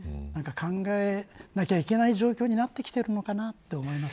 考えなきゃいけない状況になってきてるのかなと思います。